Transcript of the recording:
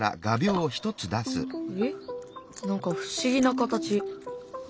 えっ何か不思議な形。